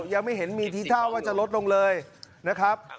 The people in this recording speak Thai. ยังไม่เห็นมีทีท่าว่าจะลดลงเลยนะครับ